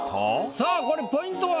さあこれポイントは？